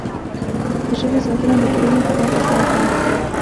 د ژبې ساتنه د ټولنې په ګټه کار دی.